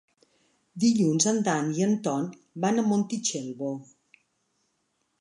Dilluns en Dan i en Ton van a Montitxelvo.